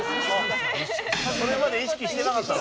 それまで意識してなかったの？